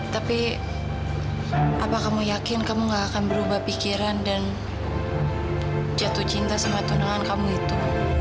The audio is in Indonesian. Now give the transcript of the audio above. tapi apakah kamu yakin kamu gak akan berubah pikiran dan jatuh cinta sama tunangan kamu itu